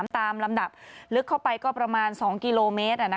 ตามลำดับลึกเข้าไปก็ประมาณ๒กิโลเมตร